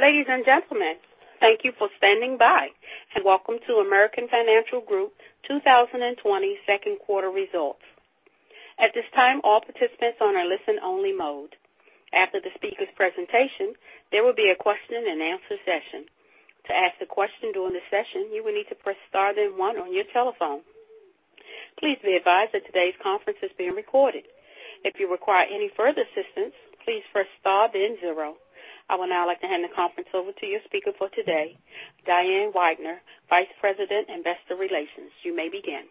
Ladies and gentlemen, thank you for standing by, and welcome to American Financial Group 2020 second quarter results. At this time, all participants are in listen only mode. After the speakers' presentation, there will be a question and answer session. To ask a question during the session, you will need to press star then one on your telephone. Please be advised that today's conference is being recorded. If you require any further assistance, please press star then zero. I would now like to hand the conference over to your speaker for today, Diane Weidner, Vice President, Investor Relations. You may begin.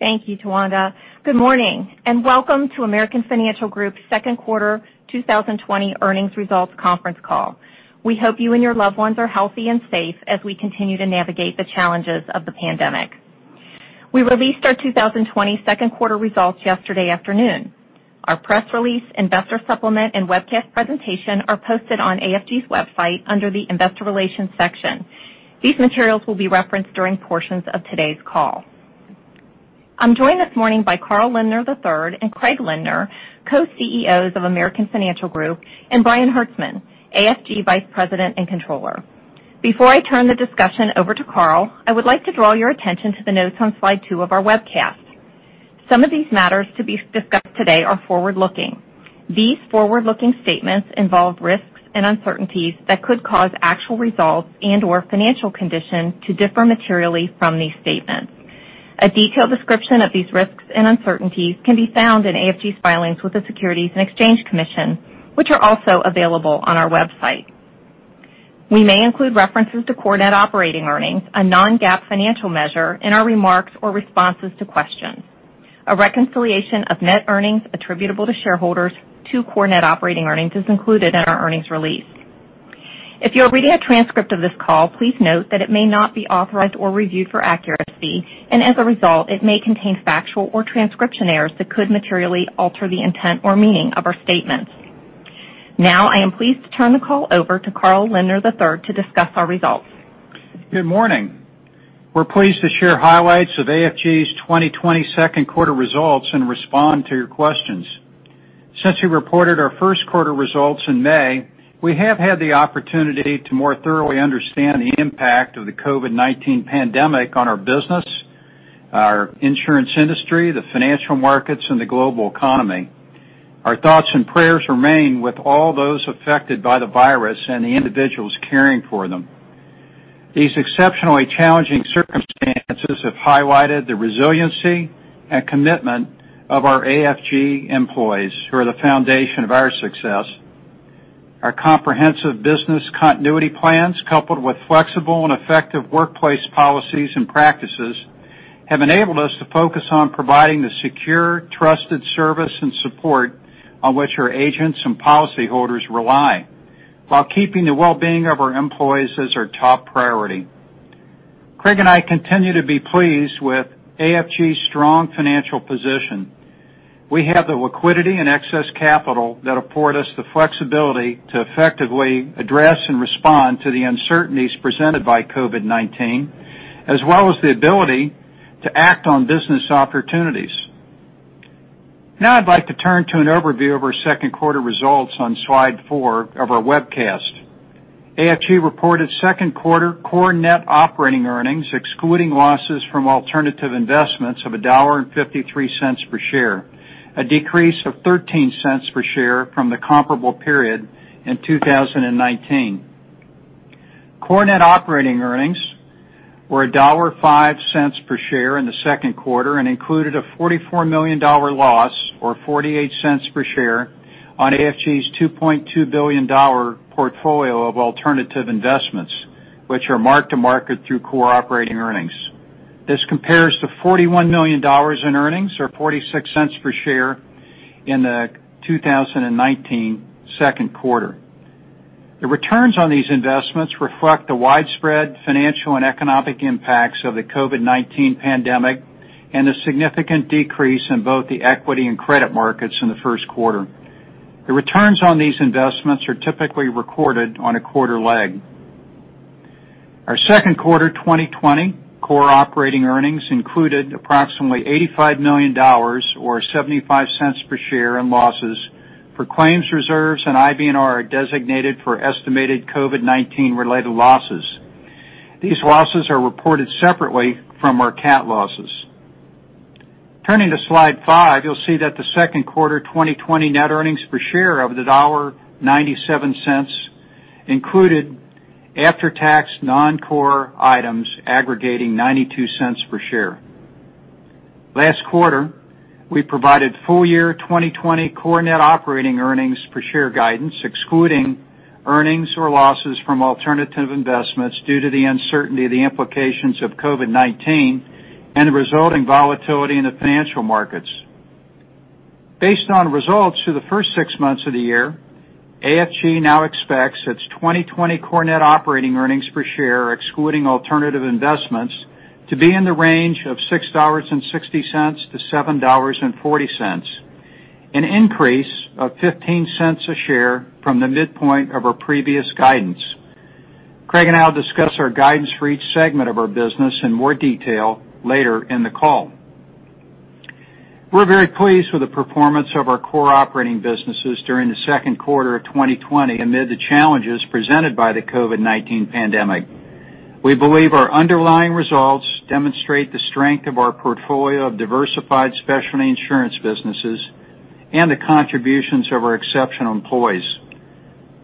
Thank you, Tawanda. Good morning, welcome to American Financial Group's second quarter 2020 earnings results conference call. We hope you and your loved ones are healthy and safe as we continue to navigate the challenges of the pandemic. We released our 2020 second quarter results yesterday afternoon. Our press release, investor supplement, and webcast presentation are posted on AFG's website under the investor relations section. These materials will be referenced during portions of today's call. I'm joined this morning by Carl Lindner III and Craig Lindner, Co-CEOs of American Financial Group, and Brian Hertzman, AFG Vice President and Controller. Before I turn the discussion over to Carl, I would like to draw your attention to the notes on slide two of our webcast. Some of these matters to be discussed today are forward-looking. These forward-looking statements involve risks and uncertainties that could cause actual results and/or financial conditions to differ materially from these statements. A detailed description of these risks and uncertainties can be found in AFG's filings with the Securities and Exchange Commission, which are also available on our website. We may include references to core net operating earnings, a non-GAAP financial measure, in our remarks or responses to questions. A reconciliation of net earnings attributable to shareholders to core net operating earnings is included in our earnings release. If you're reading a transcript of this call, please note that it may not be authorized or reviewed for accuracy, and as a result, it may contain factual or transcription errors that could materially alter the intent or meaning of our statements. I am pleased to turn the call over to Carl Lindner III to discuss our results. Good morning. We're pleased to share highlights of AFG's 2020 second quarter results and respond to your questions. Since we reported our first quarter results in May, we have had the opportunity to more thoroughly understand the impact of the COVID-19 pandemic on our business, our insurance industry, the financial markets, and the global economy. Our thoughts and prayers remain with all those affected by the virus and the individuals caring for them. These exceptionally challenging circumstances have highlighted the resiliency and commitment of our AFG employees who are the foundation of our success. Our comprehensive business continuity plans, coupled with flexible and effective workplace policies and practices, have enabled us to focus on providing the secure, trusted service and support on which our agents and policyholders rely, while keeping the well-being of our employees as our top priority. Craig and I continue to be pleased with AFG's strong financial position. We have the liquidity and excess capital that afford us the flexibility to effectively address and respond to the uncertainties presented by COVID-19, as well as the ability to act on business opportunities. I'd like to turn to an overview of our second quarter results on slide four of our webcast. AFG reported second quarter core net operating earnings excluding losses from alternative investments of $1.53 per share, a decrease of $0.13 per share from the comparable period in 2019. Core net operating earnings were $1.05 per share in the second quarter and included a $44 million loss, or $0.48 per share, on AFG's $2.2 billion portfolio of alternative investments, which are mark-to-market through core operating earnings. This compares to $41 million in earnings, or $0.46 per share, in the 2019 second quarter. The returns on these investments reflect the widespread financial and economic impacts of the COVID-19 pandemic and a significant decrease in both the equity and credit markets in the first quarter. The returns on these investments are typically recorded on a quarter lag. Our second quarter 2020 core operating earnings included approximately $85 million, or $0.75 per share in losses, for claims reserves and IBNR designated for estimated COVID-19 related losses. These losses are reported separately from our cat losses. Turning to slide five, you'll see that the second quarter 2020 net earnings per share of $1.97 included after-tax non-core items aggregating $0.92 per share. Last quarter, we provided full year 2020 core net operating earnings per share guidance excluding earnings or losses from alternative investments due to the uncertainty of the implications of COVID-19 and the resulting volatility in the financial markets. Based on results through the first six months of the year, AFG now expects its 2020 core net operating earnings per share excluding alternative investments to be in the range of $6.60-$7.40, an increase of $0.15 a share from the midpoint of our previous guidance. Craig and I'll discuss our guidance for each segment of our business in more detail later in the call. We're very pleased with the performance of our core operating businesses during the second quarter of 2020 amid the challenges presented by the COVID-19 pandemic. We believe our underlying results demonstrate the strength of our portfolio of diversified specialty insurance businesses and the contributions of our exceptional employees.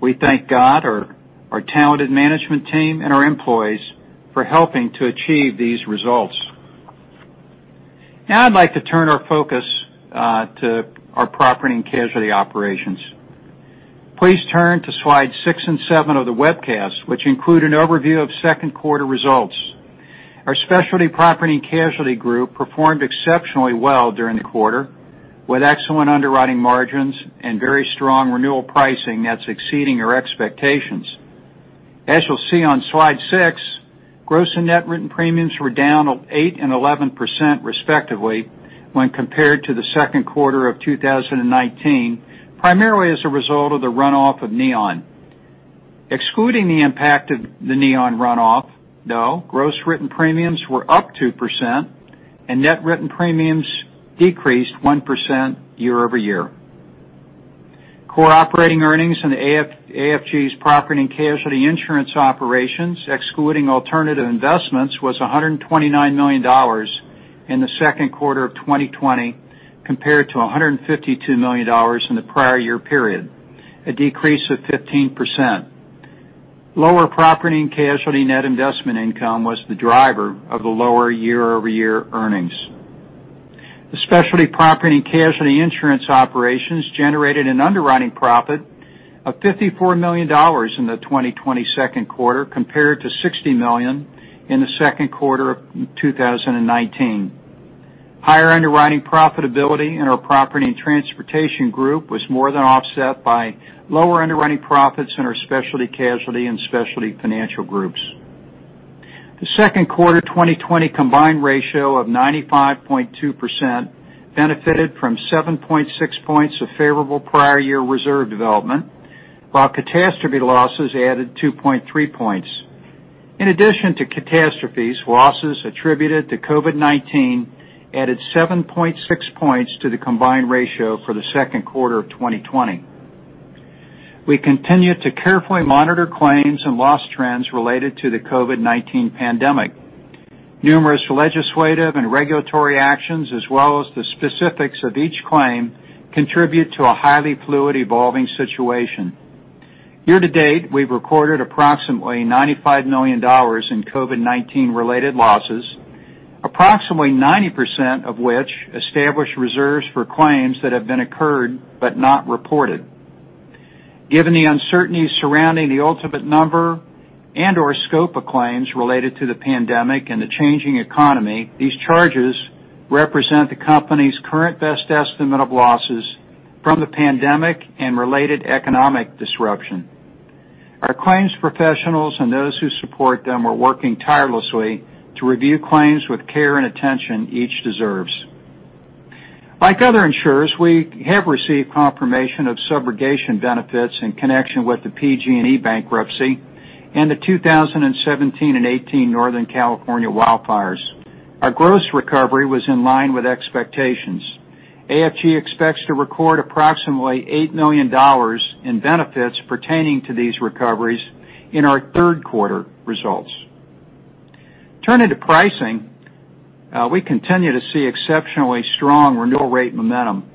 We thank God, our talented management team, and our employees for helping to achieve these results. I'd like to turn our focus to our property and casualty operations. Please turn to slide six and seven of the webcast, which include an overview of second quarter results. Our specialty property and casualty group performed exceptionally well during the quarter, with excellent underwriting margins and very strong renewal pricing that's exceeding our expectations. As you'll see on slide six, gross and net written premiums were down 8% and 11% respectively when compared to the second quarter of 2019, primarily as a result of the runoff of Neon. Excluding the impact of the Neon runoff, though, gross written premiums were up 2% and net written premiums decreased 1% year-over-year. Core operating earnings in AFG's property and casualty insurance operations, excluding alternative investments, was $129 million in the second quarter of 2020, compared to $152 million in the prior year period, a decrease of 15%. Lower property and casualty net investment income was the driver of the lower year-over-year earnings. The specialty property and casualty insurance operations generated an underwriting profit of $54 million in the 2020 second quarter, compared to $60 million in the second quarter of 2019. Higher underwriting profitability in our Property and Transportation Group was more than offset by lower underwriting profits in our Specialty Casualty and Specialty Financial Groups. The second quarter 2020 combined ratio of 95.2% benefited from 7.6 points of favorable prior year reserve development, while catastrophe losses added 2.3 points. In addition to catastrophes, losses attributed to COVID-19 added 7.6 points to the combined ratio for the second quarter of 2020. We continue to carefully monitor claims and loss trends related to the COVID-19 pandemic. Numerous legislative and regulatory actions, as well as the specifics of each claim, contribute to a highly fluid, evolving situation. Year to date, we've recorded approximately $95 million in COVID-19 related losses, approximately 90% of which established reserves for claims that have been occurred but not reported. Given the uncertainty surrounding the ultimate number and/or scope of claims related to the pandemic and the changing economy, these charges represent the company's current best estimate of losses from the pandemic and related economic disruption. Our claims professionals and those who support them are working tirelessly to review claims with care and attention each deserves. Like other insurers, we have received confirmation of subrogation benefits in connection with the PG&E bankruptcy and the 2017 and 2018 Northern California wildfires. Our gross recovery was in line with expectations. AFG expects to record approximately $8 million in benefits pertaining to these recoveries in our third quarter results. Turning to pricing, we continue to see exceptionally strong renewal rate momentum.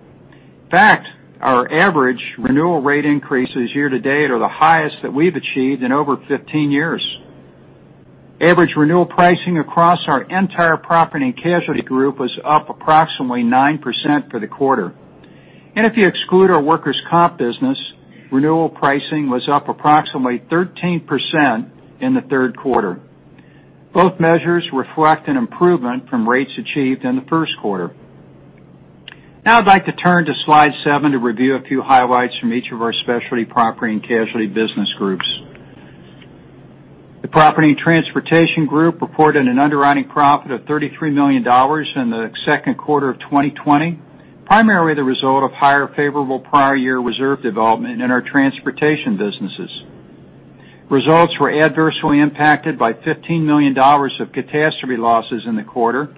In fact, our average renewal rate increases year to date are the highest that we've achieved in over 15 years. Average renewal pricing across our entire Property and Casualty Group was up approximately 9% for the quarter. If you exclude our workers' comp business, renewal pricing was up approximately 13% in the third quarter. Both measures reflect an improvement from rates achieved in the first quarter. Now I'd like to turn to slide seven to review a few highlights from each of our Specialty Property and Casualty Business Groups. The Property and Transportation Group reported an underwriting profit of $33 million in the second quarter of 2020, primarily the result of higher favorable prior year reserve development in our transportation businesses. Results were adversely impacted by $15 million of catastrophe losses in the quarter,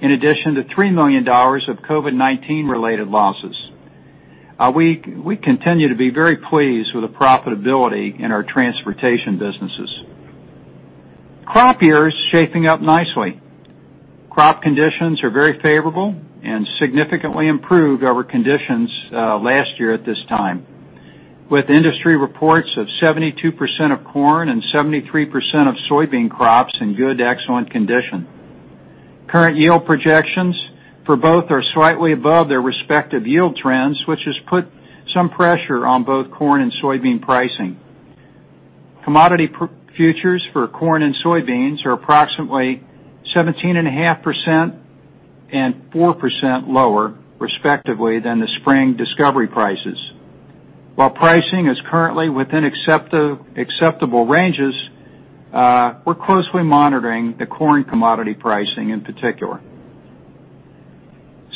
in addition to $3 million of COVID-19 related losses. We continue to be very pleased with the profitability in our transportation businesses. Crop year is shaping up nicely. Crop conditions are very favorable and significantly improved over conditions last year at this time, with industry reports of 72% of corn and 73% of soybean crops in good to excellent condition. Current yield projections for both are slightly above their respective yield trends, which has put some pressure on both corn and soybean pricing. Commodity futures for corn and soybeans are approximately 17.5% and 4% lower, respectively, than the spring discovery prices. While pricing is currently within acceptable ranges, we're closely monitoring the corn commodity pricing in particular.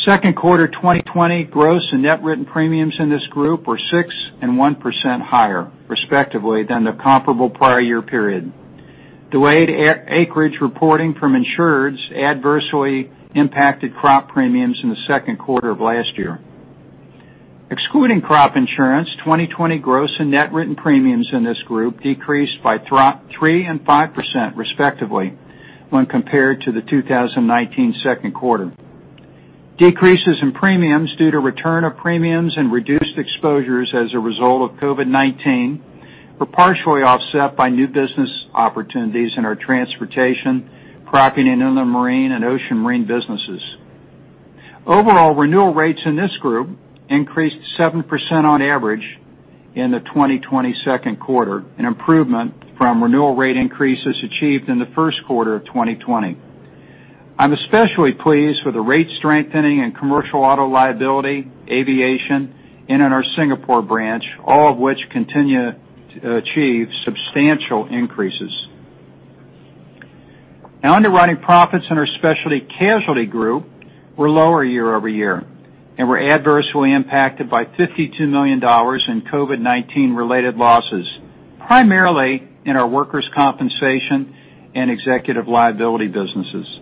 Second quarter 2020 gross and net written premiums in this group were 6% and 1% higher, respectively, than the comparable prior year period. Delayed acreage reporting from insureds adversely impacted crop premiums in the second quarter of last year. Excluding crop insurance, 2020 gross and net written premiums in this group decreased by 3% and 5% respectively when compared to the 2019 second quarter. Decreases in premiums due to return of premiums and reduced exposures as a result of COVID-19 were partially offset by new business opportunities in our transportation, property and inland marine, and ocean marine businesses. Overall, renewal rates in this group increased 7% on average in the 2020 second quarter, an improvement from renewal rate increases achieved in the first quarter of 2020. I'm especially pleased with the rate strengthening in commercial auto liability, aviation, and in our Singapore branch, all of which continue to achieve substantial increases. Underwriting profits in our Specialty Casualty group were lower year-over-year and were adversely impacted by $52 million in COVID-19 related losses, primarily in our workers' compensation and executive liability businesses.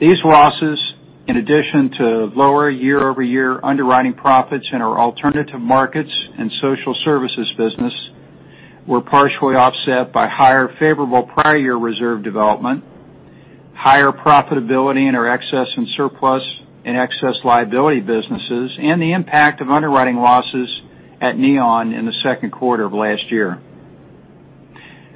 These losses, in addition to lower year-over-year underwriting profits in our Alternative Markets and social services business, were partially offset by higher favorable prior year reserve development, higher profitability in our excess and surplus and excess liability businesses, and the impact of underwriting losses at Neon in the second quarter of last year.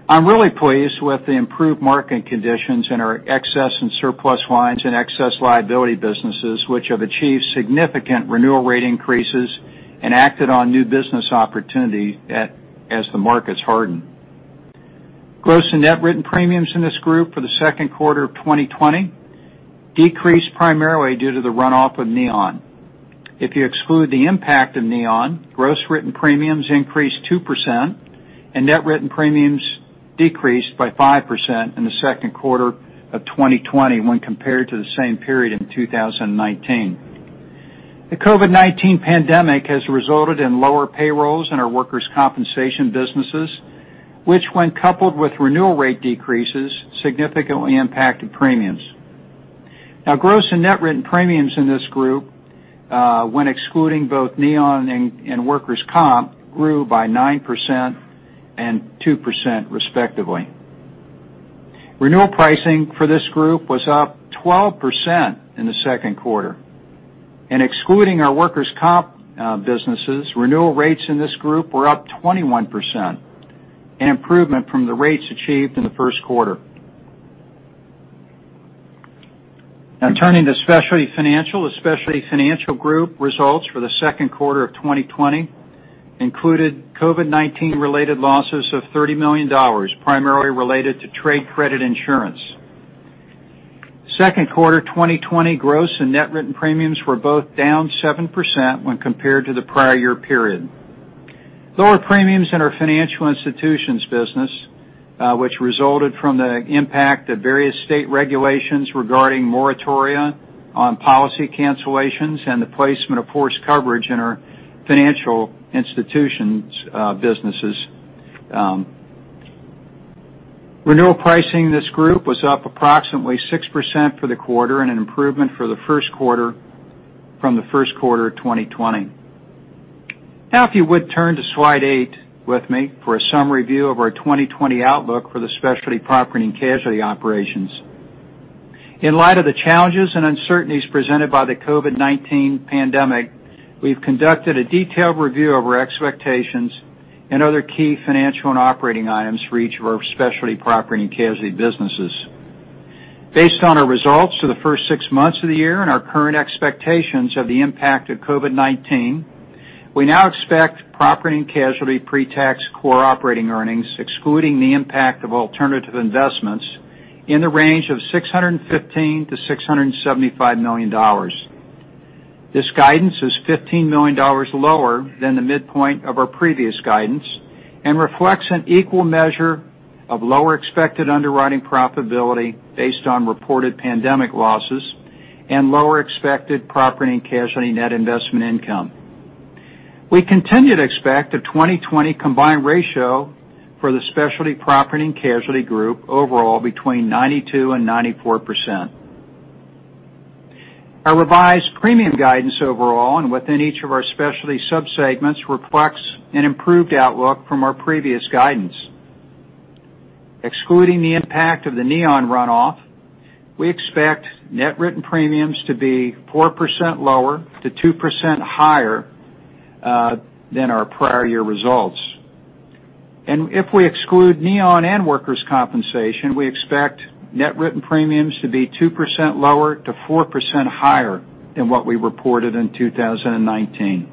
I'm really pleased with the improved market conditions in our excess and surplus lines and excess liability businesses, which have achieved significant renewal rate increases and acted on new business opportunity as the markets harden. Gross and net written premiums in this group for the second quarter of 2020 decreased primarily due to the runoff of Neon. If you exclude the impact of Neon, gross written premiums increased 2% and net written premiums decreased by 5% in the second quarter of 2020 when compared to the same period in 2019. The COVID-19 pandemic has resulted in lower payrolls in our workers' compensation businesses, which when coupled with renewal rate decreases, significantly impacted premiums. Gross and net written premiums in this group, when excluding both Neon and workers' comp, grew by 9% and 2% respectively. Renewal pricing for this group was up 12% in the second quarter. Excluding our workers' comp businesses, renewal rates in this group were up 21%, an improvement from the rates achieved in the first quarter. Turning to Specialty Financial. The Specialty Financial group results for the second quarter of 2020 included COVID-19 related losses of $30 million, primarily related to trade credit insurance. Second quarter 2020 gross and net written premiums were both down 7% when compared to the prior year period. Lower premiums in our financial institutions business, which resulted from the impact of various state regulations regarding moratoria on policy cancellations and the placement of force coverage in our financial institutions businesses. Renewal pricing in this group was up approximately 6% for the quarter and an improvement from the first quarter of 2020. If you would turn to slide eight with me for a summary view of our 2020 outlook for the Specialty Property and Casualty operations. In light of the challenges and uncertainties presented by the COVID-19 pandemic, we've conducted a detailed review of our expectations and other key financial and operating items for each of our Specialty Property and Casualty businesses. Based on our results for the first six months of the year and our current expectations of the impact of COVID-19, we now expect Property and Casualty pretax core operating earnings, excluding the impact of alternative investments, in the range of $615 million to $675 million. This guidance is $15 million lower than the midpoint of our previous guidance and reflects an equal measure of lower expected underwriting profitability based on reported pandemic losses and lower expected Property and Casualty net investment income. We continue to expect a 2020 combined ratio for the Specialty Property and Casualty group overall between 92% and 94%. Our revised premium guidance overall and within each of our specialty subsegments reflects an improved outlook from our previous guidance. Excluding the impact of the Neon runoff, we expect net written premiums to be 4% lower to 2% higher than our prior year results. If we exclude Neon and workers' compensation, we expect net written premiums to be 2% lower to 4% higher than what we reported in 2019.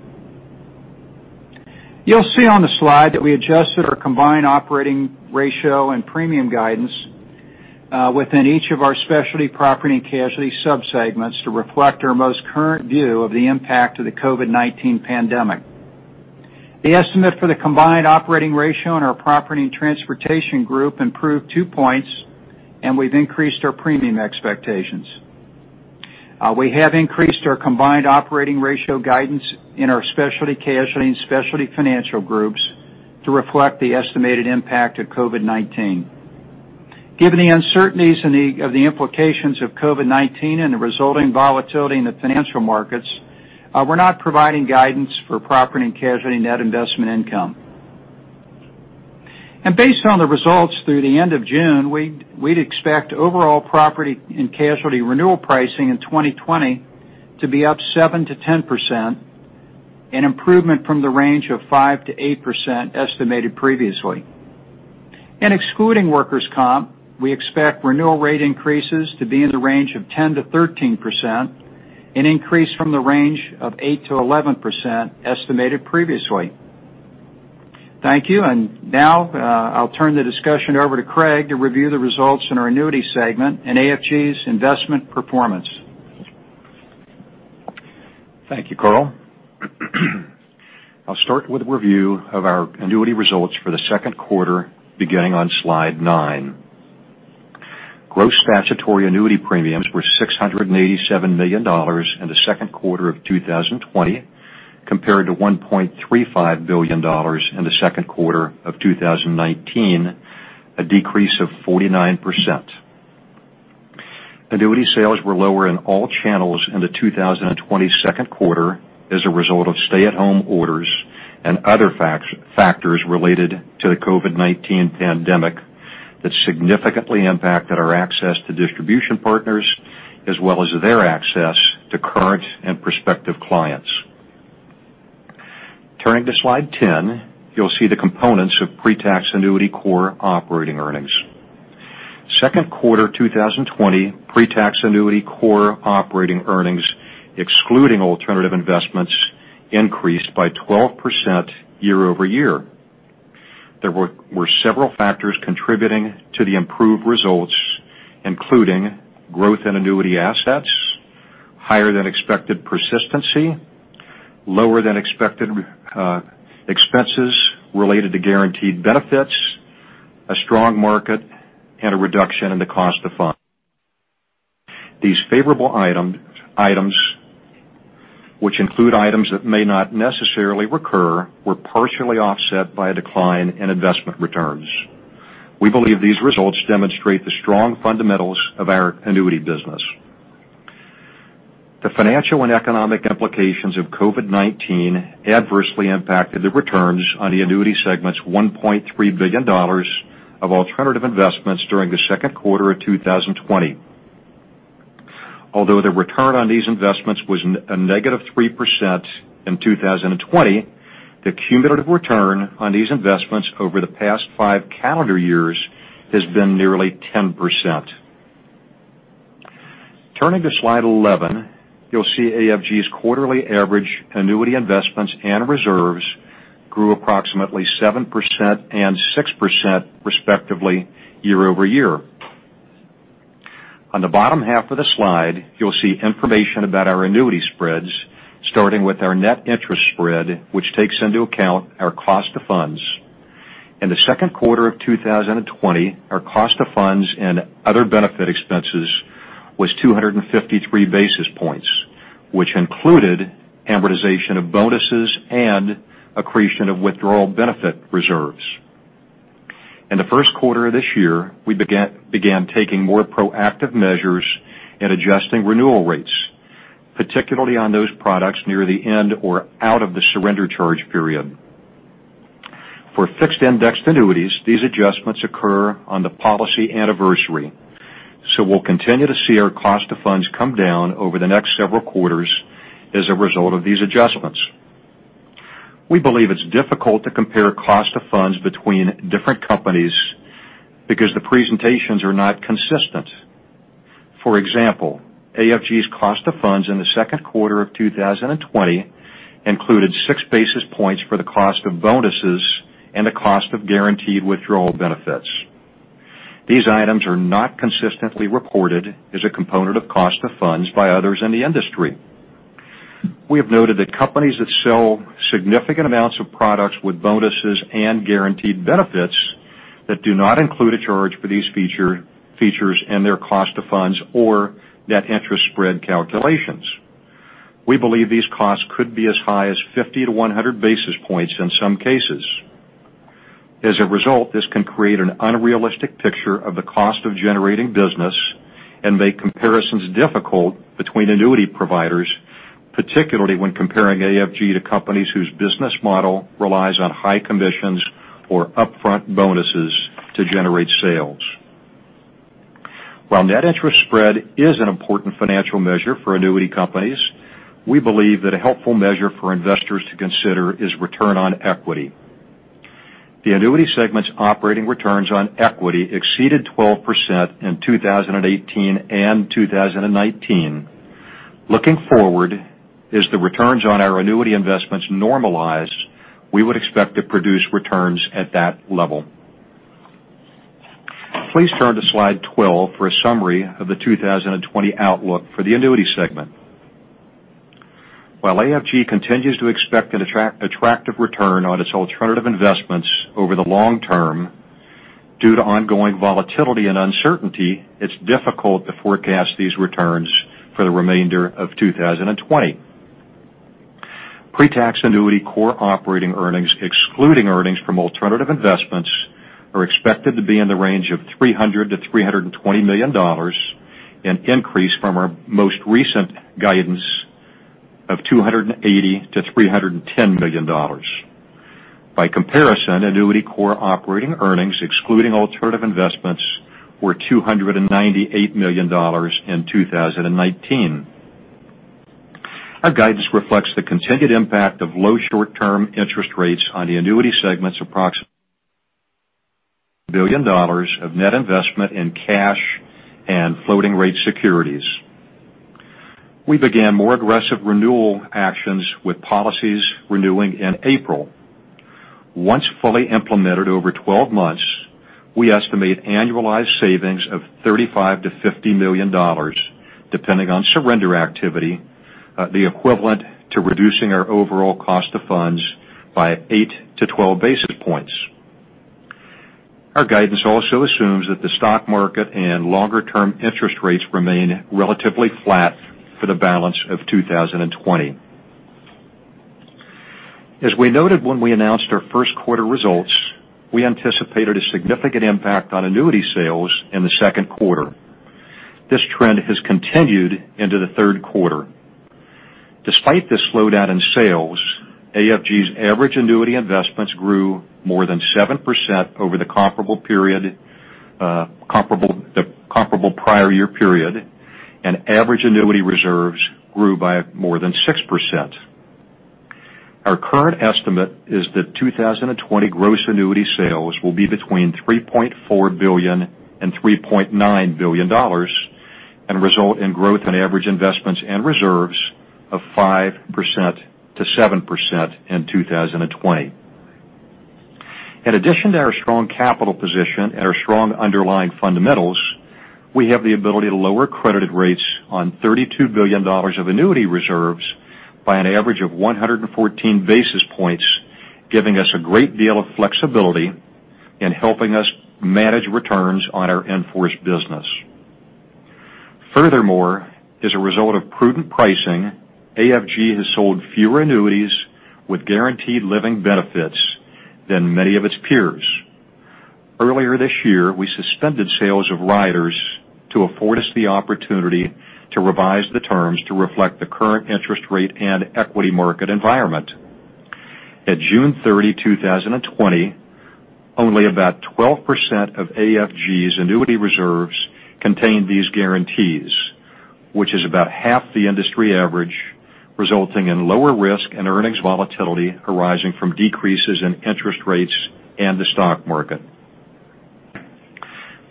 You'll see on the slide that we adjusted our combined operating ratio and premium guidance within each of our Specialty Property and Casualty subsegments to reflect our most current view of the impact of the COVID-19 pandemic. The estimate for the combined operating ratio in our Property and Transportation group improved 2 points, and we've increased our premium expectations. We have increased our combined operating ratio guidance in our Specialty Casualty and Specialty Financial groups to reflect the estimated impact of COVID-19. Given the uncertainties of the implications of COVID-19 and the resulting volatility in the financial markets, we're not providing guidance for property and casualty net investment income. Based on the results through the end of June, we'd expect overall property and casualty renewal pricing in 2020 to be up 7%-10%, an improvement from the range of 5%-8% estimated previously. Excluding workers' comp, we expect renewal rate increases to be in the range of 10%-13%, an increase from the range of 8%-11% estimated previously. Thank you, and now I'll turn the discussion over to Craig to review the results in our annuity segment and AFG's investment performance. Thank you, Carl. I'll start with a review of our annuity results for the second quarter beginning on slide 9. Gross statutory annuity premiums were $687 million in the second quarter of 2020, compared to $1.35 billion in the second quarter of 2019, a decrease of 49%. Annuity sales were lower in all channels in the 2020 second quarter as a result of stay-at-home orders and other factors related to the COVID-19 pandemic that significantly impacted our access to distribution partners, as well as their access to current and prospective clients. Turning to slide 10, you'll see the components of pre-tax annuity core operating earnings. Second quarter 2020 pre-tax annuity core operating earnings, excluding alternative investments, increased by 12% year-over-year. There were several factors contributing to the improved results, including growth in annuity assets, higher than expected persistency, lower than expected expenses related to guaranteed benefits, a strong market, and a reduction in the cost of funds. These favorable items, which include items that may not necessarily recur, were partially offset by a decline in investment returns. We believe these results demonstrate the strong fundamentals of our annuity business. The financial and economic implications of COVID-19 adversely impacted the returns on the annuity segment's $1.3 billion of alternative investments during the second quarter of 2020. Although the return on these investments was a negative 3% in 2020, the cumulative return on these investments over the past five calendar years has been nearly 10%. Turning to slide 11, you'll see AFG's quarterly average annuity investments and reserves grew approximately 7% and 6% respectively year-over-year. On the bottom half of the slide, you'll see information about our annuity spreads, starting with our net interest spread, which takes into account our cost of funds. In the second quarter of 2020, our cost of funds and other benefit expenses was 253 basis points, which included amortization of bonuses and accretion of withdrawal benefit reserves. In the first quarter of this year, we began taking more proactive measures at adjusting renewal rates, particularly on those products near the end or out of the surrender charge period. For fixed-indexed annuities, these adjustments occur on the policy anniversary, we'll continue to see our cost of funds come down over the next several quarters as a result of these adjustments. We believe it's difficult to compare cost of funds between different companies because the presentations are not consistent. For example, AFG's cost of funds in the second quarter of 2020 included six basis points for the cost of bonuses and the cost of guaranteed withdrawal benefits. These items are not consistently reported as a component of cost of funds by others in the industry. We have noted that companies that sell significant amounts of products with bonuses and guaranteed benefits that do not include a charge for these features in their cost of funds or net interest spread calculations. We believe these costs could be as high as 50 to 100 basis points in some cases. As a result, this can create an unrealistic picture of the cost of generating business and make comparisons difficult between annuity providers, particularly when comparing AFG to companies whose business model relies on high commissions or upfront bonuses to generate sales. While net interest spread is an important financial measure for annuity companies, we believe that a helpful measure for investors to consider is return on equity. The annuity segment's operating returns on equity exceeded 12% in 2018 and 2019. Looking forward, as the returns on our annuity investments normalize, we would expect to produce returns at that level. Please turn to slide 12 for a summary of the 2020 outlook for the annuity segment. While AFG continues to expect an attractive return on its alternative investments over the long term, due to ongoing volatility and uncertainty, it's difficult to forecast these returns for the remainder of 2020. Pre-tax annuity core operating earnings, excluding earnings from alternative investments, are expected to be in the range of $300 million to $320 million, an increase from our most recent guidance of $280 million to $310 million. By comparison, annuity core operating earnings, excluding alternative investments, were $298 million in 2019. Our guidance reflects the continued impact of low short-term interest rates on the annuity segment's approximately $1 billion of net investment in cash and floating rate securities. We began more aggressive renewal actions with policies renewing in April. Once fully implemented over 12 months, we estimate annualized savings of $35 million-$50 million, depending on surrender activity, the equivalent to reducing our overall cost of funds by 8-12 basis points. Our guidance also assumes that the stock market and longer-term interest rates remain relatively flat for the balance of 2020. As we noted when we announced our first quarter results, we anticipated a significant impact on annuity sales in the second quarter. This trend has continued into the third quarter. Despite the slowdown in sales, AFG's average annuity investments grew more than 7% over the comparable prior year period, and average annuity reserves grew by more than 6%. Our current estimate is that 2020 gross annuity sales will be between $3.4 billion and $3.9 billion and result in growth in average investments and reserves of 5%-7% in 2020. In addition to our strong capital position and our strong underlying fundamentals, we have the ability to lower credited rates on $32 billion of annuity reserves by an average of 114 basis points, giving us a great deal of flexibility in helping us manage returns on our in-force business. Furthermore, as a result of prudent pricing, AFG has sold fewer annuities with guaranteed living benefits than many of its peers. Earlier this year, we suspended sales of riders to afford us the opportunity to revise the terms to reflect the current interest rate and equity market environment. At June 30, 2020, only about 12% of AFG's annuity reserves contained these guarantees, which is about half the industry average, resulting in lower risk and earnings volatility arising from decreases in interest rates and the stock market.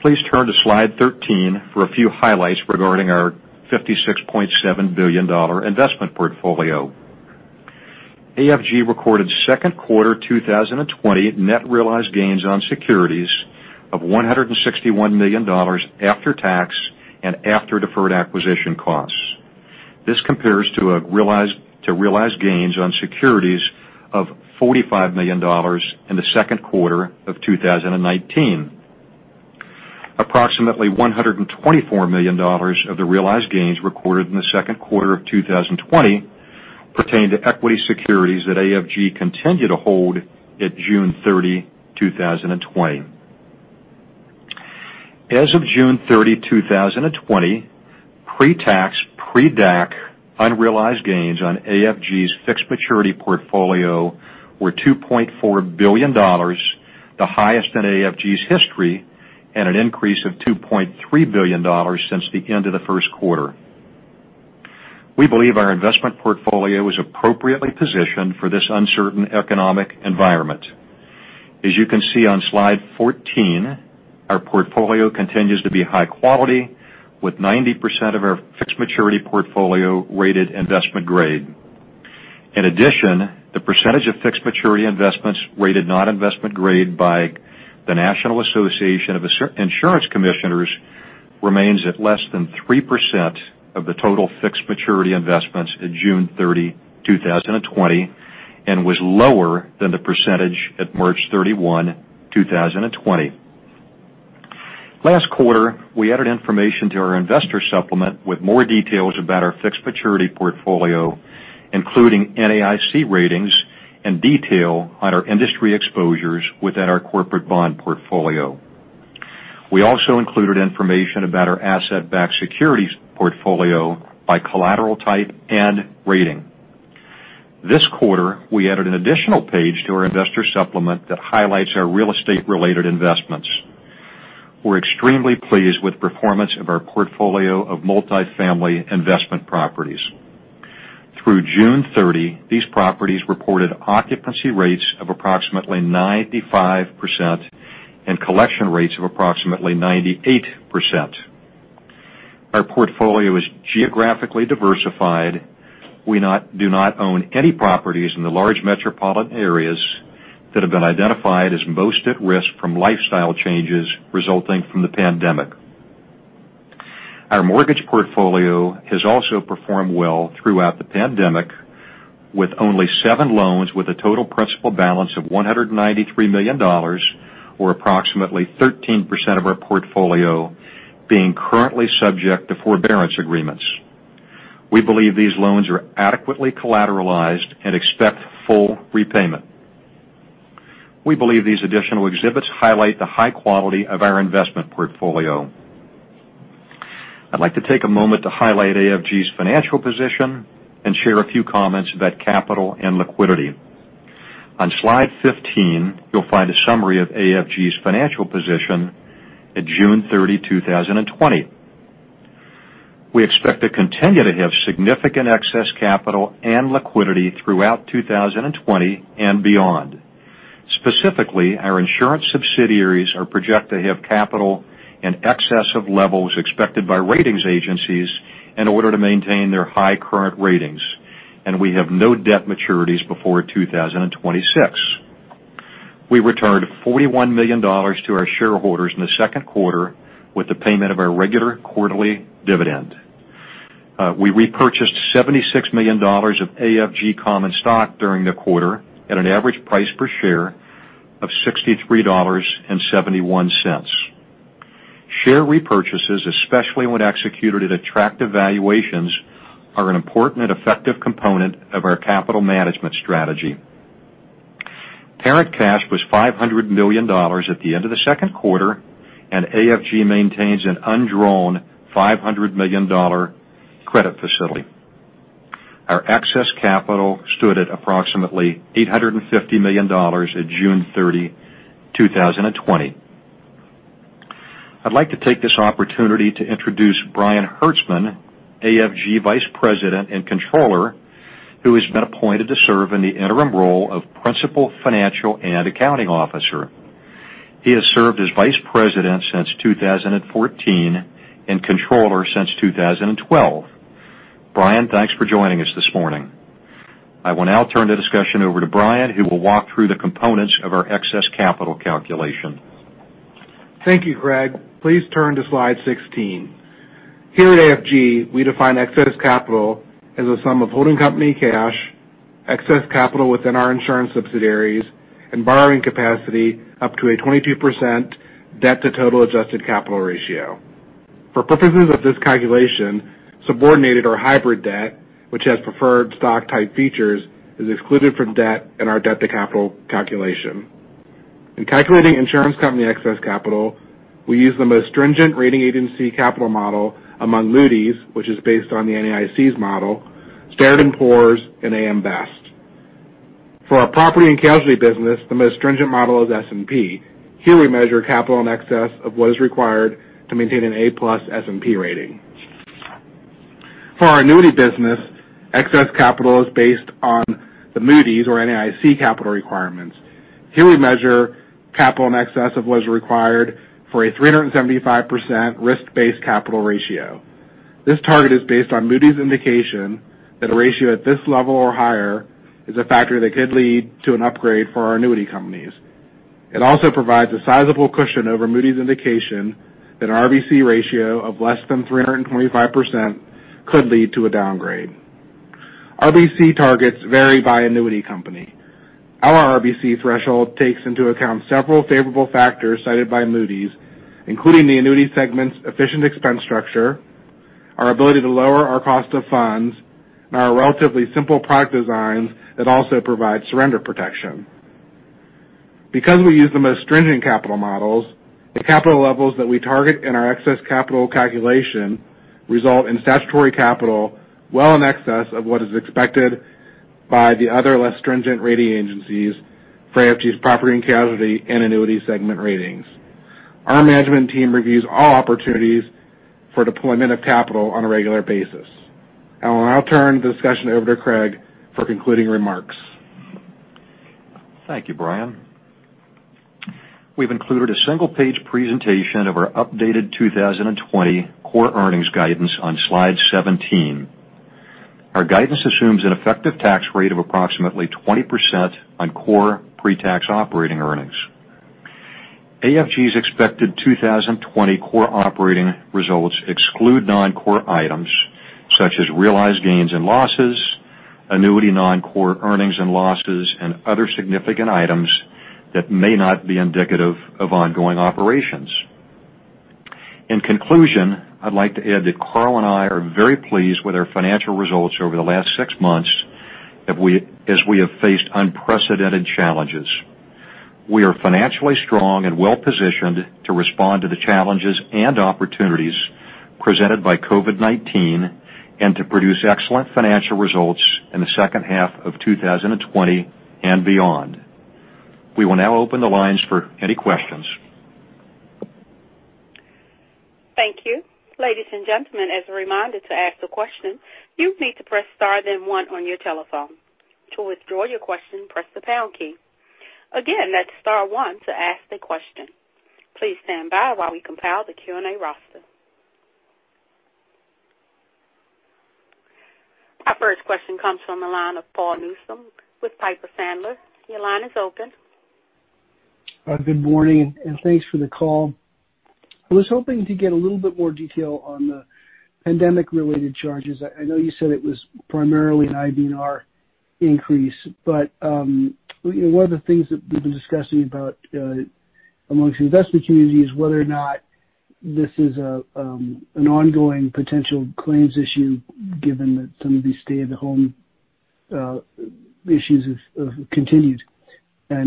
Please turn to slide 13 for a few highlights regarding our $56.7 billion investment portfolio. AFG recorded second quarter 2020 net realized gains on securities of $161 million after tax and after deferred acquisition costs. This compares to realized gains on securities of $45 million in the second quarter of 2019. Approximately $124 million of the realized gains recorded in the second quarter of 2020 pertain to equity securities that AFG continued to hold at June 30, 2020. As of June 30, 2020, pre-tax, pre-DAC unrealized gains on AFG's fixed maturity portfolio were $2.4 billion, the highest in AFG's history, and an increase of $2.3 billion since the end of the first quarter. We believe our investment portfolio is appropriately positioned for this uncertain economic environment. As you can see on slide 14, our portfolio continues to be high quality with 90% of our fixed maturity portfolio rated investment grade. In addition, the percentage of fixed maturity investments rated not investment grade by the National Association of Insurance Commissioners remains at less than 3% of the total fixed maturity investments at June 30, 2020, and was lower than the percentage at March 31, 2020. Last quarter, we added information to our investor supplement with more details about our fixed maturity portfolio, including NAIC ratings and detail on our industry exposures within our corporate bond portfolio. We also included information about our asset-backed securities portfolio by collateral type and rating. This quarter, we added an additional page to our investor supplement that highlights our real estate-related investments. We're extremely pleased with performance of our portfolio of multifamily investment properties. Through June 30, these properties reported occupancy rates of approximately 95% and collection rates of approximately 98%. Our portfolio is geographically diversified. We do not own any properties in the large metropolitan areas that have been identified as most at risk from lifestyle changes resulting from the pandemic. Our mortgage portfolio has also performed well throughout the pandemic, with only seven loans with a total principal balance of $193 million, or approximately 13% of our portfolio being currently subject to forbearance agreements. We believe these loans are adequately collateralized and expect full repayment. We believe these additional exhibits highlight the high quality of our investment portfolio. I'd like to take a moment to highlight AFG's financial position and share a few comments about capital and liquidity. On slide 15, you'll find a summary of AFG's financial position at June 30, 2020. We expect to continue to have significant excess capital and liquidity throughout 2020 and beyond. Specifically, our insurance subsidiaries are projected to have capital in excess of levels expected by ratings agencies in order to maintain their high current ratings, and we have no debt maturities before 2026. We returned $41 million to our shareholders in the second quarter with the payment of our regular quarterly dividend. We repurchased $76 million of AFG common stock during the quarter at an average price per share of $63.71. Share repurchases, especially when executed at attractive valuations, are an important and effective component of our capital management strategy. Parent cash was $500 million at the end of the second quarter, and AFG maintains an undrawn $500 million credit facility. Our excess capital stood at approximately $850 million at June 30, 2020. I'd like to take this opportunity to introduce Brian Hertzman, AFG Vice President and Controller, who has been appointed to serve in the interim role of Principal Financial and Accounting Officer. He has served as Vice President since 2014 and Controller since 2012. Brian, thanks for joining us this morning. I will now turn the discussion over to Brian, who will walk through the components of our excess capital calculation. Thank you, Craig. Please turn to slide 16. Here at AFG, we define excess capital as a sum of holding company cash, excess capital within our insurance subsidiaries, and borrowing capacity up to a 22% debt to total adjusted capital ratio. For purposes of this calculation, subordinated or hybrid debt, which has preferred stock-type features, is excluded from debt and our debt-to-capital calculation. In calculating insurance company excess capital, we use the most stringent rating agency capital model among Moody's, which is based on the NAIC's model, Standard & Poor's, and AM Best. For our property and casualty business, the most stringent model is S&P. Here we measure capital in excess of what is required to maintain an A+ S&P rating. For our annuity business, excess capital is based on the Moody's or NAIC capital requirements. Here we measure capital in excess of what is required for a 375% risk-based capital ratio. This target is based on Moody's indication that a ratio at this level or higher is a factor that could lead to an upgrade for our annuity companies. It also provides a sizable cushion over Moody's indication that an RBC ratio of less than 325% could lead to a downgrade. RBC targets vary by annuity company. Our RBC threshold takes into account several favorable factors cited by Moody's, including the annuity segment's efficient expense structure, our ability to lower our cost of funds, and our relatively simple product designs that also provide surrender protection. Because we use the most stringent capital models, the capital levels that we target in our excess capital calculation result in statutory capital well in excess of what is expected by the other less stringent rating agencies for AFG's property and casualty and annuity segment ratings. Our management team reviews all opportunities for deployment of capital on a regular basis. I will now turn the discussion over to Craig for concluding remarks. Thank you, Brian. We've included a single-page presentation of our updated 2020 core earnings guidance on slide 17. Our guidance assumes an effective tax rate of approximately 20% on core pre-tax operating earnings. AFG's expected 2020 core operating results exclude non-core items such as realized gains and losses, annuity non-core earnings and losses, and other significant items that may not be indicative of ongoing operations. In conclusion, I'd like to add that Carl and I are very pleased with our financial results over the last six months as we have faced unprecedented challenges. We are financially strong and well-positioned to respond to the challenges and opportunities presented by COVID-19 and to produce excellent financial results in the second half of 2020 and beyond. We will now open the lines for any questions. Thank you. Ladies and gentlemen, as a reminder to ask a question, you need to press star then one on your telephone. To withdraw your question, press the pound key. Again, that's star one to ask the question. Please stand by while we compile the Q&A roster. Our first question comes from the line of Paul Newsome with Piper Sandler. Your line is open. Good morning. Thanks for the call. I was hoping to get a little bit more detail on the pandemic-related charges. I know you said it was primarily an IBNR increase, but one of the things that we've been discussing amongst the investment community is whether or not this is an ongoing potential claims issue, given that some of these stay-at-home issues have continued. There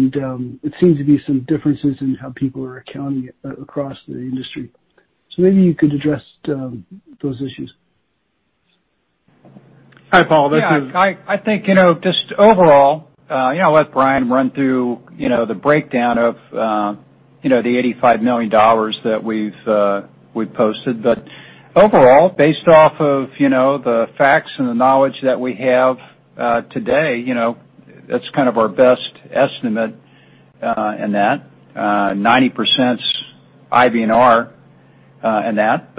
seems to be some differences in how people are accounting across the industry. Maybe you could address those issues. Hi, Paul. I think just overall, I'll let Brian run through the breakdown of the $85 million that we've posted. Overall, based off of the facts and the knowledge that we have today, that's kind of our best estimate in that. 90 percent's IBNR in that.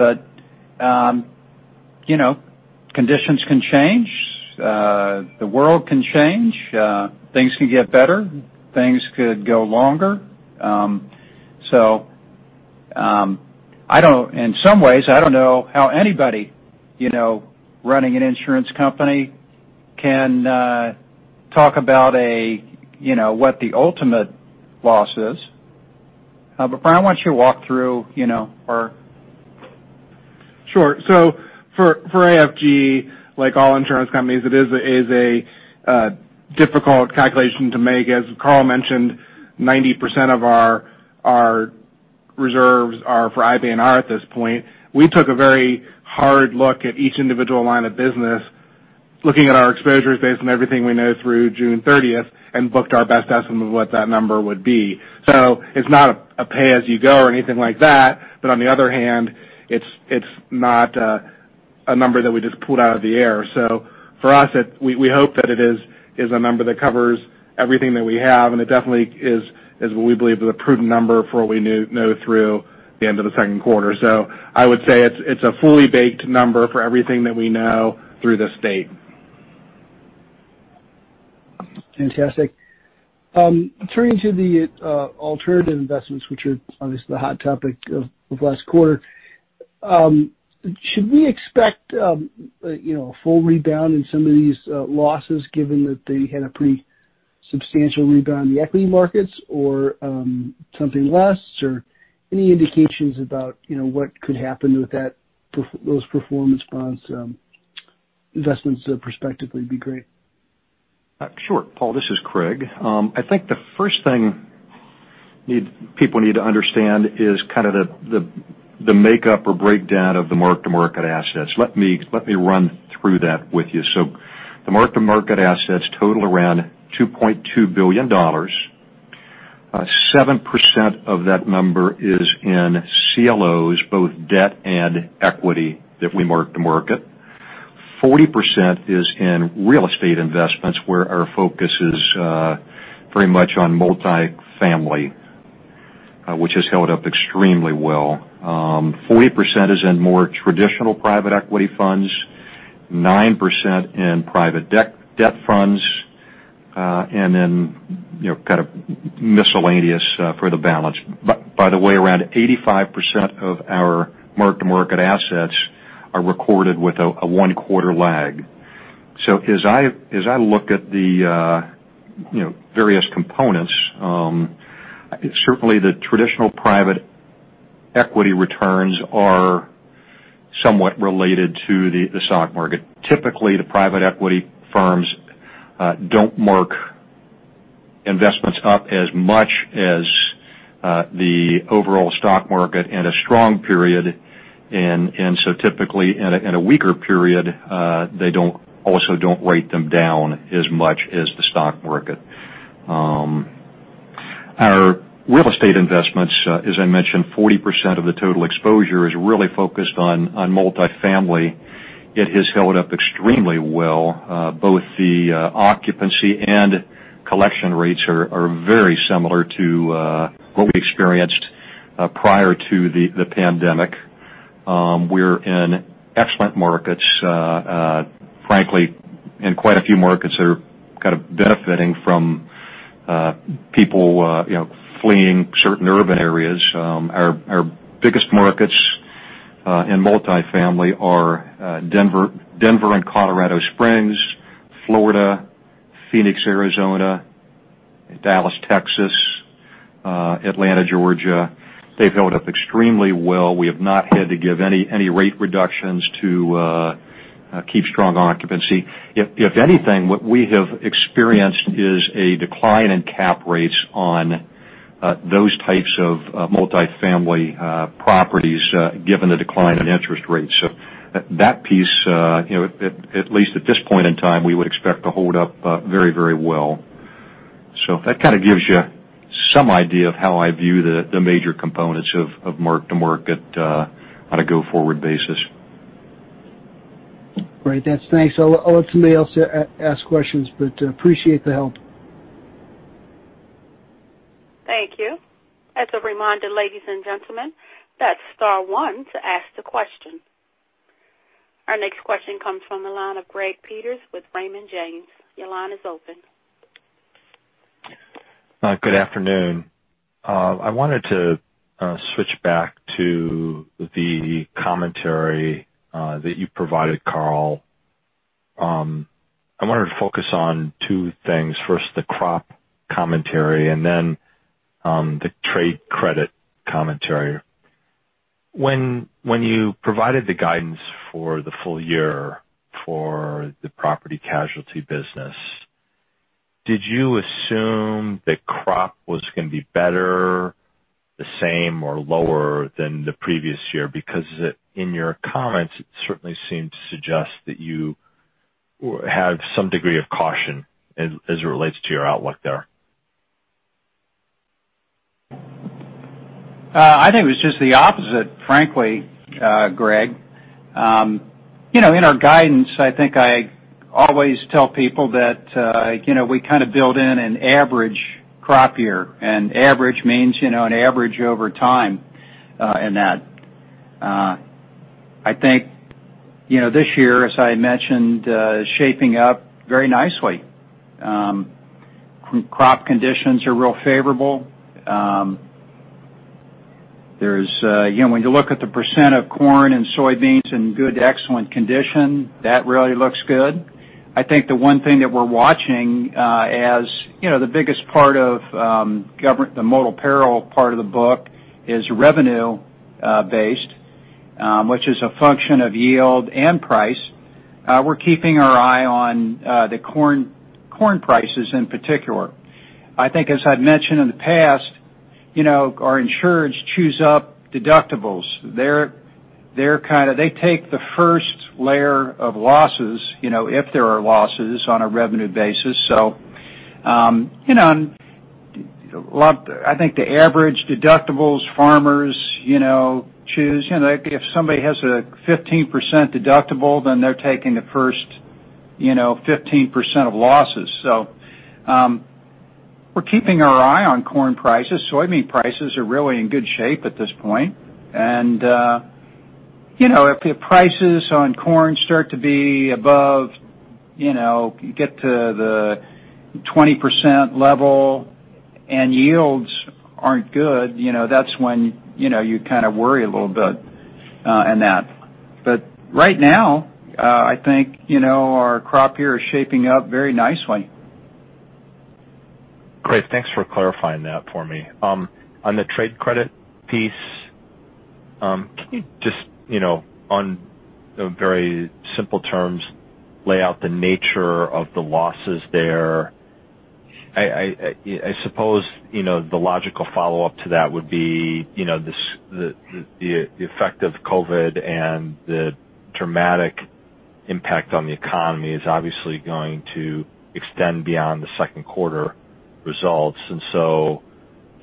Conditions can change. The world can change. Things can get better. Things could go longer. In some ways, I don't know how anybody running an insurance company can talk about what the ultimate loss is. Brian, why don't you walk through our For AFG, like all insurance companies, it is a difficult calculation to make. As Carl mentioned, 90% of our reserves are for IBNR at this point. We took a very hard look at each individual line of business, looking at our exposure base and everything we know through June 30th, and booked our best estimate of what that number would be. It's not a pay-as-you-go or anything like that, but on the other hand, it's not a number that we just pulled out of the air. For us, we hope that it is a number that covers everything that we have, and it definitely is what we believe is a prudent number for what we know through the end of the second quarter. I would say it's a fully baked number for everything that we know through this date. Fantastic. Turning to the alternative investments, which are obviously the hot topic of last quarter, should we expect a full rebound in some of these losses, given that they had a pretty substantial rebound in the equity markets, or something less? Any indications about what could happen with those partnership investments prospectively would be great. Sure. Paul, this is Craig. I think the first thing people need to understand is kind of the makeup or breakdown of the mark-to-market assets. Let me run through that with you. The mark-to-market assets total around $2.2 billion. 7% of that number is in CLOs, both debt and equity that we mark to market. 40% is in real estate investments, where our focus is very much on multifamily, which has held up extremely well. 40% is in more traditional private equity funds, 9% in private debt funds, and then kind of miscellaneous for the balance. By the way, around 85% of our mark-to-market assets are recorded with a one-quarter lag. As I look at the various components, certainly the traditional private equity returns are somewhat related to the stock market. Typically, the private equity firms don't mark investments up as much as the overall stock market in a strong period, typically in a weaker period, they also don't rate them down as much as the stock market. Our real estate investments, as I mentioned, 40% of the total exposure is really focused on multifamily. It has held up extremely well. Both the occupancy and collection rates are very similar to what we experienced prior to the pandemic. We're in excellent markets, frankly, in quite a few markets that are kind of benefiting from people fleeing certain urban areas. Our biggest markets in multifamily are Denver and Colorado Springs, Florida, Phoenix, Arizona, Dallas, Texas, Atlanta, Georgia. They've held up extremely well. We have not had to give any rate reductions to keep strong occupancy. If anything, what we have experienced is a decline in cap rates on those types of multifamily properties, given the decline in interest rates. That piece, at least at this point in time, we would expect to hold up very well. That kind of gives you some idea of how I view the major components of mark to market on a go-forward basis. Great. Thanks. I'll let somebody else ask questions, appreciate the help. Thank you. As a reminder, ladies and gentlemen, that's star one to ask the question. Our next question comes from the line of Greg Peters with Raymond James. Your line is open. Good afternoon. I wanted to switch back to the commentary that you provided, Carl. I wanted to focus on two things. First, the crop commentary, and then the trade credit commentary. When you provided the guidance for the full year for the property casualty business, did you assume that crop was going to be better, the same, or lower than the previous year? In your comments, it certainly seemed to suggest that you have some degree of caution as it relates to your outlook there. I think it was just the opposite, frankly, Craig. In our guidance, I think I always tell people that we build in an average crop year. Average means an average over time in that. I think this year, as I had mentioned, shaping up very nicely. Crop conditions are real favorable. When you look at the % of corn and soybeans in good to excellent condition, that really looks good. I think the one thing that we're watching as the biggest part of the modeled peril part of the book is revenue based, which is a function of yield and price. We're keeping our eye on the corn prices in particular. I think as I'd mentioned in the past, our insureds choose up deductibles. They take the first layer of losses, if there are losses, on a revenue basis. I think the average deductibles farmers choose, if somebody has a 15% deductible, then they're taking the first 15% of losses. We're keeping our eye on corn prices. Soybean prices are really in good shape at this point. If prices on corn start to get to the 20% level and yields aren't good, that's when you worry a little bit in that. Right now, I think our crop year is shaping up very nicely. Great. Thanks for clarifying that for me. On the trade credit piece, can you just, on very simple terms, lay out the nature of the losses there? I suppose the logical follow-up to that would be the effect of COVID-19 and the dramatic impact on the economy is obviously going to extend beyond the second quarter results.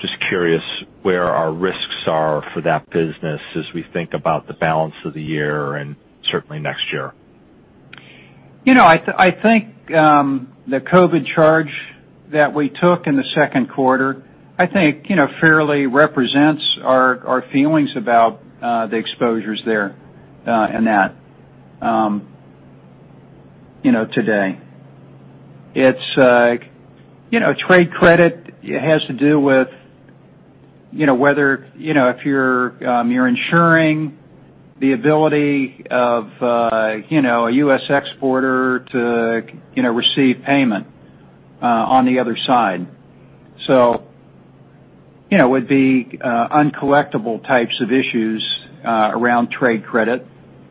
Just curious where our risks are for that business as we think about the balance of the year and certainly next year. I think the COVID-19 charge that we took in the second quarter, I think fairly represents our feelings about the exposures there and that today. Trade credit has to do with whether if you're insuring the ability of a U.S. exporter to receive payment on the other side. It would be uncollectible types of issues around trade credit.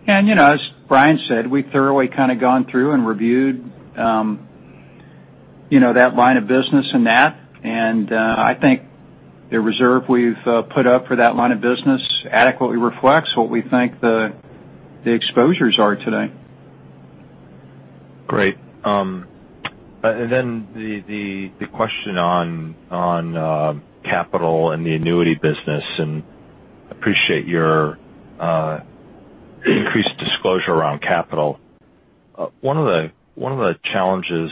As Brian said, we've thoroughly gone through and reviewed that line of business and that. I think the reserve we've put up for that line of business adequately reflects what we think the exposures are today. Great. The question on capital and the annuity business, and appreciate your increased disclosure around capital. One of the challenges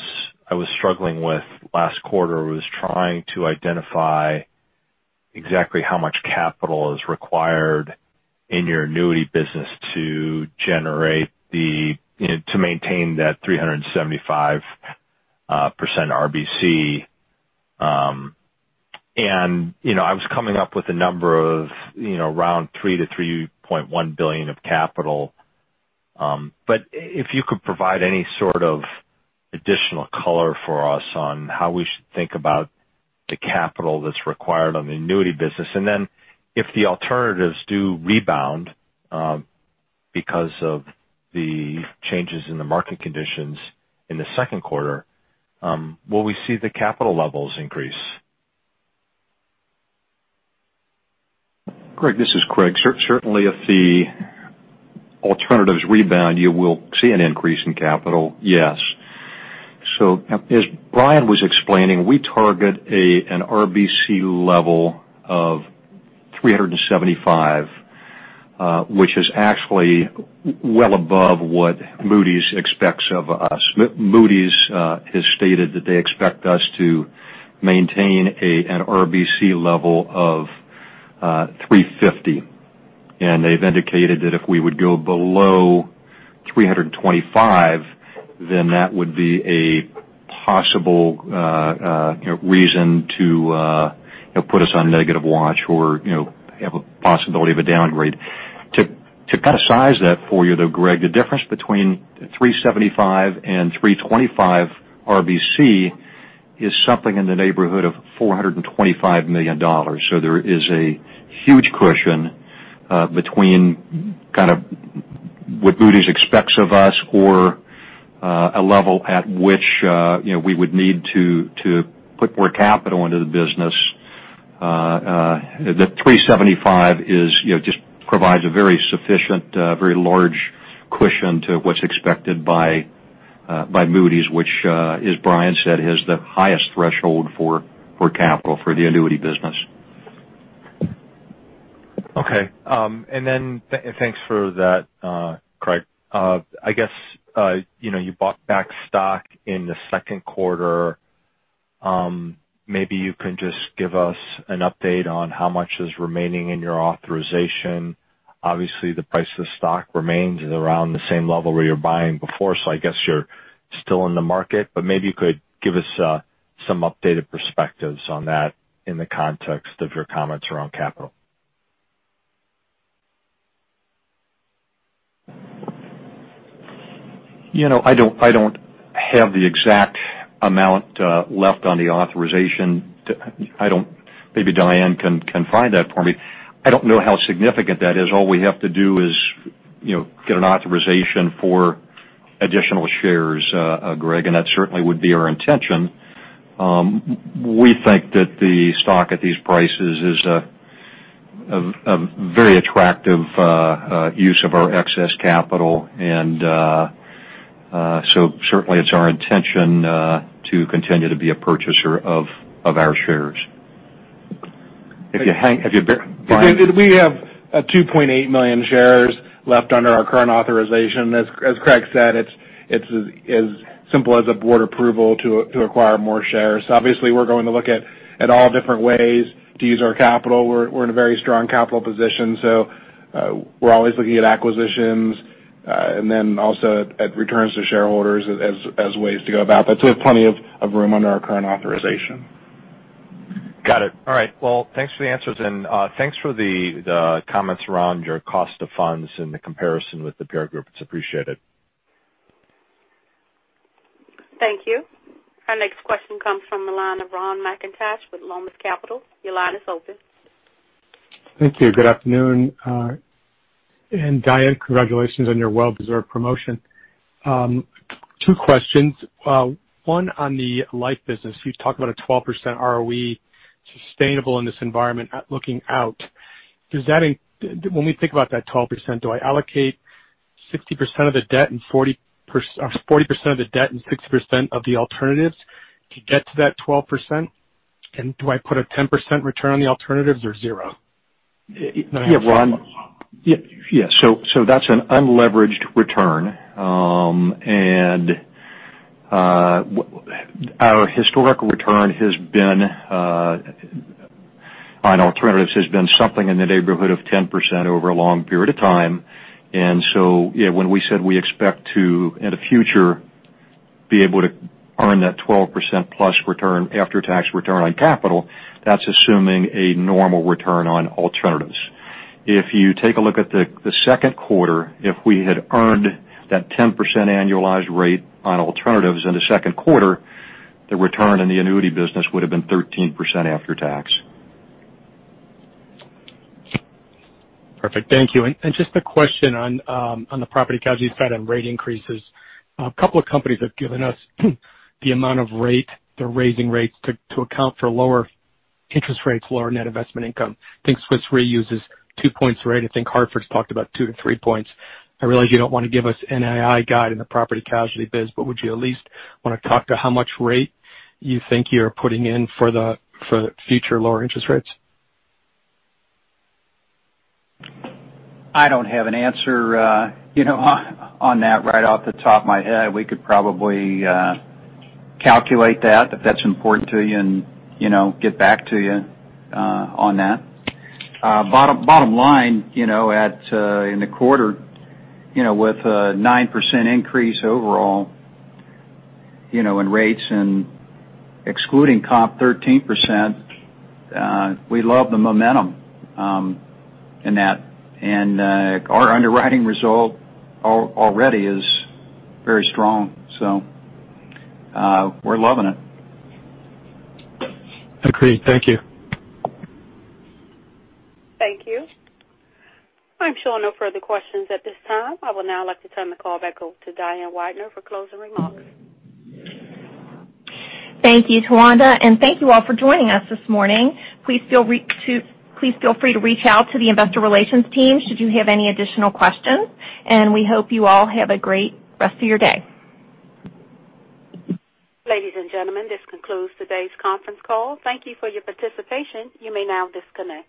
I was struggling with last quarter was trying to identify exactly how much capital is required in your annuity business to maintain that 375% RBC. I was coming up with a number of around $3 billion-$3.1 billion of capital. If you could provide any sort of additional color for us on how we should think about the capital that's required on the annuity business, if the alternatives do rebound because of the changes in the market conditions in the second quarter, will we see the capital levels increase? Craig, this is Craig. Certainly, if the alternatives rebound, you will see an increase in capital, yes. As Brian was explaining, we target an RBC level of 375, which is actually well above what Moody's expects of us. Moody's has stated that they expect us to maintain an RBC level of 350, and they've indicated that if we would go below 325, that would be a possible reason to put us on negative watch or have a possibility of a downgrade. To kind of size that for you, though, Craig, the difference between 375 and 325 RBC is something in the neighborhood of $425 million. There is a huge cushion between kind of what Moody's expects of us or a level at which we would need to put more capital into the business. The 375 just provides a very sufficient, very large cushion to what's expected by Moody's, which, as Brian said, has the highest threshold for capital for the annuity business. Okay. Thanks for that, Craig. I guess you bought back stock in the second quarter. Maybe you can just give us an update on how much is remaining in your authorization. Obviously, the price of the stock remains around the same level where you were buying before, I guess you're still in the market. Maybe you could give us some updated perspectives on that in the context of your comments around capital. I don't have the exact amount left on the authorization. Maybe Diane can find that for me. I don't know how significant that is. All we have to do is get an authorization for additional shares, Craig, and that certainly would be our intention. We think that the stock at these prices is a very attractive use of our excess capital. Certainly it's our intention to continue to be a purchaser of our shares. Brian? We have 2.8 million shares left under our current authorization. As Craig said, it's as simple as a board approval to acquire more shares. Obviously, we're going to look at all different ways to use our capital. We're in a very strong capital position, so we're always looking at acquisitions and then also at returns to shareholders as ways to go about, but we have plenty of room under our current authorization. Got it. All right. Thanks for the answers and thanks for the comments around your cost of funds and the comparison with the peer group. It's appreciated. Thank you. Our next question comes from the line of Ronald McIntosh with Loomis Capital. Your line is open. Thank you. Good afternoon. Diane, congratulations on your well-deserved promotion. Two questions. One on the life business. You talk about a 12% ROE sustainable in this environment. Looking out, when we think about that 12%, do I allocate 40% of the debt and 60% of the alternatives to get to that 12%? Do I put a 10% return on the alternatives or zero? Ron. That's an unleveraged return. Our historical return on alternatives has been something in the neighborhood of 10% over a long period of time. When we said we expect to, in the future, be able to earn that 12% plus after-tax return on capital, that's assuming a normal return on alternatives. If you take a look at the second quarter, if we had earned that 10% annualized rate on alternatives in the second quarter, the return in the annuity business would've been 13% after tax. Perfect. Thank you. Just a question on the property casualty side on rate increases. A couple of companies have given us the amount of rate they're raising rates to account for lower interest rates, lower net investment income. I think Swiss Re uses two points rate, I think Hartford's talked about two to three points. I realize you don't want to give us NII guide in the property casualty biz, but would you at least want to talk to how much rate you think you're putting in for the future lower interest rates? I don't have an answer on that right off the top of my head. We could probably calculate that if that's important to you and get back to you on that. Bottom line, in the quarter, with a 9% increase overall in rates and excluding comp 13%, we love the momentum in that. Our underwriting result already is very strong, we're loving it. Agreed. Thank you. Thank you. I'm showing no further questions at this time. I would now like to turn the call back over to Diane Weidner for closing remarks. Thank you, Tawanda, and thank you all for joining us this morning. Please feel free to reach out to the investor relations team should you have any additional questions, and we hope you all have a great rest of your day. Ladies and gentlemen, this concludes today's conference call. Thank you for your participation. You may now disconnect.